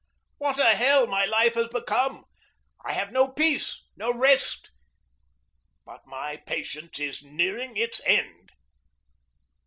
Ah, what a hell my life has become! I have no peace, no rest. But my patience is nearing its end.